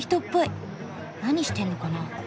何してんのかな？